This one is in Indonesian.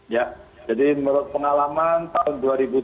ya jadi menurut pengalaman tahun dua ribu tujuh belas